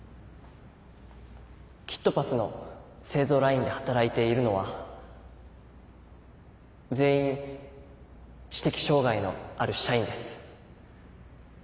キットパスの製造ラインで働いているのは全員知的障がいのある社員です。